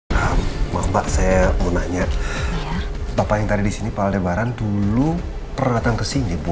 kalau congometer datang udah pasti studio ariana la laterkan akan datang dulu